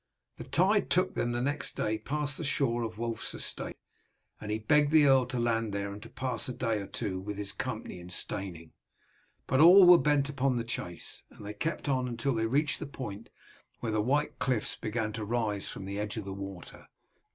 The tide took them the next day past the shore of Wulf's estate, and he begged the earl to land there and to pass a day or two with his company at Steyning; but all were bent upon the chase, and they kept on until they reached the point where the white cliffs began to rise from the edge of the water.